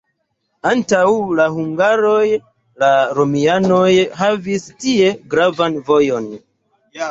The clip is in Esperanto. Antaŭ la hungaroj la romianoj havis tie gravan vojon.